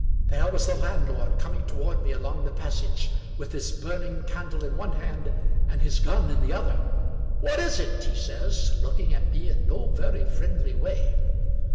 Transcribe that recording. There was the landlord, coming toward me along the passage, with his burning candle in one hand, and his gun in the other. " What is it ?" he says, looking at me in no very friendly way.